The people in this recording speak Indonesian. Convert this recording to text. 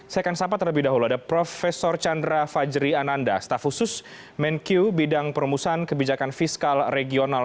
saya akan sapa terlebih dahulu ada prof chandra fajri ananda staf khusus menkyu bidang perumusan kebijakan fiskal regional